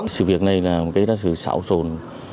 sự việc này là một sự xảo rồn